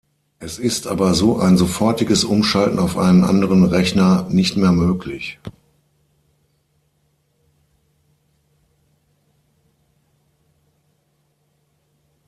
Es ist aber so ein sofortiges Umschalten auf einen anderen Rechner nicht mehr möglich.